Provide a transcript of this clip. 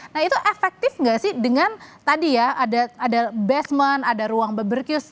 nah itu efektif nggak sih dengan tadi ya ada basement ada ruang bebercuse